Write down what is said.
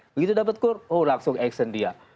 begitu dapat kur oh langsung action dia